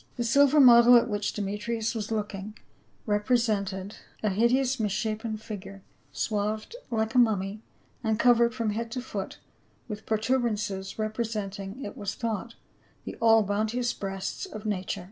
The silver model at which Demetrius was looking, represented 356 PA UL. a hideous mis shapen figure, swathed like a mummy and covered from head to foot with protuberances representing, it was thought, the all bounteous breasts of nature.